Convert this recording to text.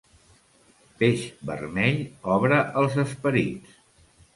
Peix vermell obre els esperits.